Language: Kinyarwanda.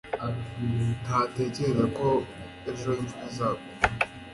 ntatekereza ko ejo imvura izagwa